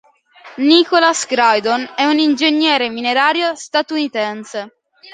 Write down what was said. Nicholas Graydon è un ingegnere minerario statunitense.